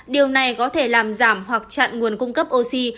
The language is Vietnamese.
điều này có thể làm giảm hoặc chặn nguồn cung cấp oxy